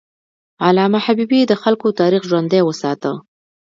علامه حبیبي د خلکو تاریخ ژوندی وساته.